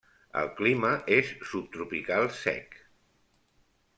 El clima és subtropical sec.